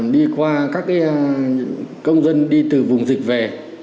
đi qua các công dân đi từ vùng dịch về